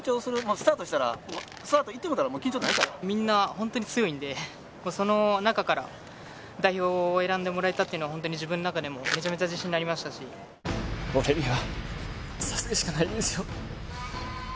スタートしたらそのあといってもうたら緊張ないからみんな本当に強いんでその中から代表選んでもらえたっていうのは本当に自分の中でもめちゃめちゃ自信になりましたし俺にはＳＡＳＵＫＥしかないんですよ